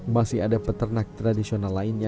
masih ada peternak tradisional lainnya